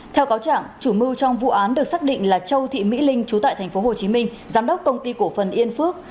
theo cáo trạng chủ mưu trong vụ án được xác định là châu thị mỹ linh chú tại tp hcm giám đốc công ty cổ phần yên phước